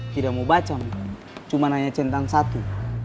tidak mau baca cuma hanya centang satu